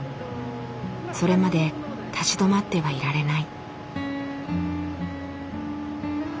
それまで立ち止まってはいられない。